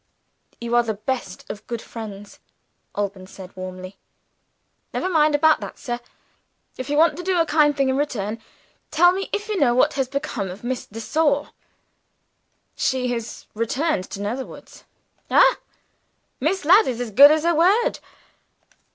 "You are the best of good friends!" Alban said warmly. "Never mind about that, sir. If you want to do a friendly thing in return, tell me if you know what has become of Miss de Sor." "She has returned to Netherwoods." "Aha! Miss Ladd is as good as her word.